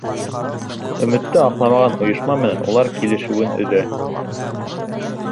Өмөттө аҡламаған ойошма менән улар килешеүен өҙә.